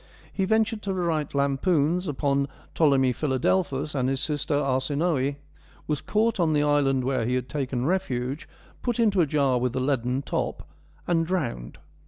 He ventured to write lampoons upon Ptolemy Philadelphus and his sister Arsinoe, was caught on the island where he had taken refuge, put into a jar with a leaden top, and drowned.